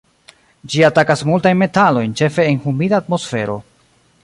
Ĝi atakas multajn metalojn ĉefe en humida atmosfero.